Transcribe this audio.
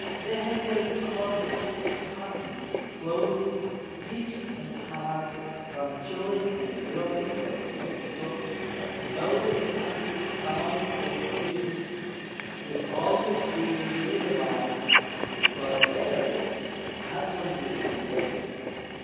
They have their Cordage, Cotton, Cloth, Pitch and Tar from Chili and Rio Lezo in Mexico, and tho' the Country abounds with Provision, 'tis always dear near the Mines, because there Husbandry is neglected.